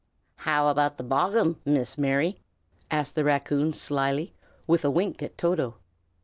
"How about the bogghun, Miss Mary?" asked the raccoon, slyly, with a wink at Toto.